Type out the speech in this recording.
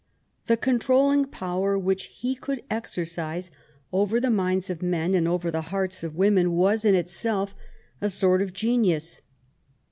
The controlling power which he could exercise over the minds of men and over the hearts of women was, in itself, a sort of genius.